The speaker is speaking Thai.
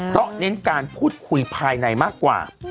เพราะเน้นการพูดคุยภายในมากกว่า